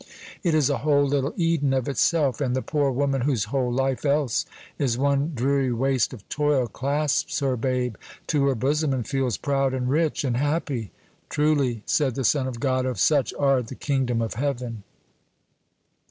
It is a whole little Eden of itself; and the poor woman whose whole life else is one dreary waste of toil, clasps her babe to her bosom, and feels proud, and rich, and happy. Truly said the Son of God, "Of such are the kingdom of heaven."